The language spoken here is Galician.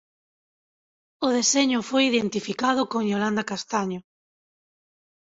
O deseño foi identificado con Iolanda Castaño.